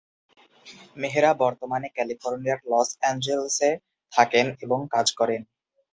মেহরা বর্তমানে ক্যালিফোর্নিয়ার লস অ্যাঞ্জেলেসে থাকেন এবং কাজ করেন।